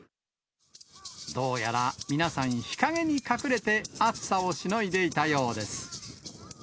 どうやら、皆さん日陰に隠れて、暑さをしのいでいたようです。